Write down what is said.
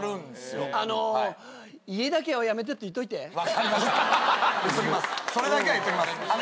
それだけは言っときます。